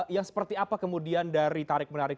yang seperti apa kemudian dari tarik menarik